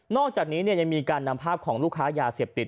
อกจากนี้ยังมีการนำภาพของลูกค้ายาเสพติด